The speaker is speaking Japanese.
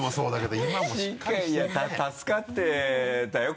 助かってたよ